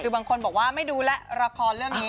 คือบางคนบอกว่าไม่ดูแหละราคอเรื่องนี้นะคะ